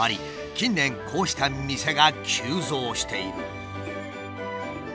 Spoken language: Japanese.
近年こうした店が急増している。